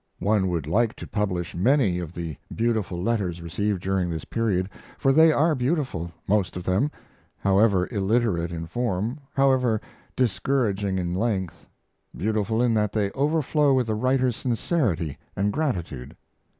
One would like to publish many of the beautiful letters received during this period, for they are beautiful, most of them, however illiterate in form, however discouraging in length beautiful in that they overflow with the writers' sincerity and gratitude.